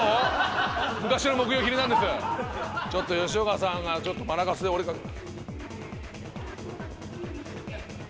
ちょっと吉岡さんがマラカスで折れかけ。